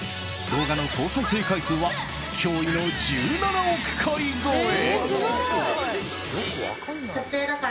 動画の総再生回数は驚異の１７億回超え。